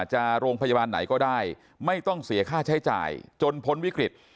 จะโรงพยาบาลไหนก็ได้ไม่ต้องเสียค่าใช้จ่ายจนพ้นวิกฤต